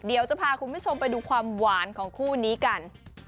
เดี๋ยวจะพาคุณผู้ชมไปดูความหวานของคู่นี้กัน